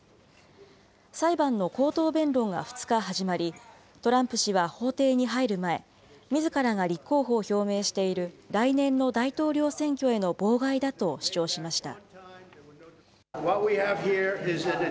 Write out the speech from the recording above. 裁判の口頭弁論が２日始まり、トランプ氏は法廷に入る前、みずからが立候補を表明している来年の大統領選挙への妨害だと主張しました。